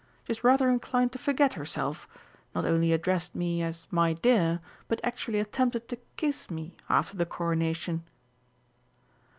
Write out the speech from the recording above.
She's rather inclined to forget herself not only addressed me as 'my dear,' but actually attempted to kiss me after the Coronation!"